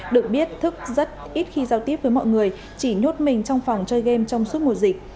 được biết thức rất ít khi giao tiếp với mọi người chỉ nốt mình trong phòng chơi game trong suốt mùa dịch